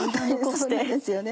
そうなんですよね。